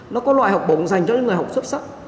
nó có loại học bổng dành cho những người học xuất sắc